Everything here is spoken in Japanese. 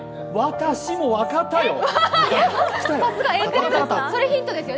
私も分かったよ！